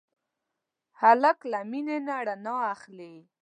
هلک له مینې نه رڼا اخلي.